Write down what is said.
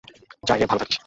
যাই রে, ভালো থাকিস।